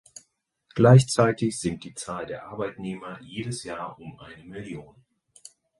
Gleichzeitig sinkt die Zahl der Arbeitnehmer jedes Jahr um eine Millionen.